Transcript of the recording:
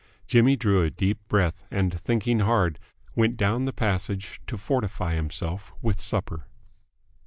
Jimmy drew a deep breath, and, thinking hard, went down the passage to fortify himself with supper.